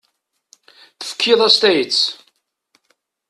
Tefkiḍ-as tayet.